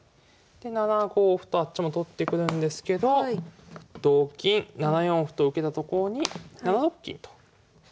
で７五歩とあっちも取ってくるんですけど同金７四歩と受けたところに７六金と引きます。